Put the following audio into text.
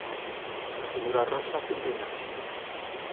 A señora Rosa atendeuna axiña.